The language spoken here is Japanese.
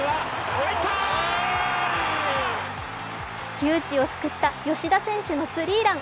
窮地を救った吉田選手のスリーラン。